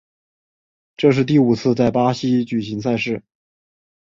这是第五次在巴西举行赛事。